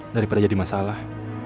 daripada jadi masalah